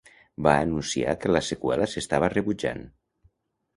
Va anunciar que la seqüela s'estava rebutjant.